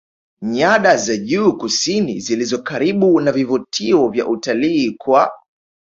nyada za juu kusini zilizo karibu na vivutio vya utalii kwa